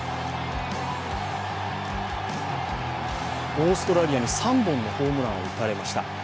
オーストラリアに３本のホームランを打たれました。